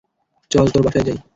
চল তোর বাসা যাই।